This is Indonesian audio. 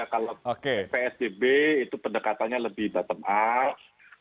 kalau psbb itu pendekatannya lebih bottom up